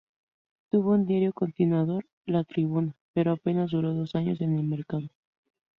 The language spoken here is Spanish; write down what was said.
Tuvo un diario continuador: "La Tribuna", pero apenas duró dos años en el mercado.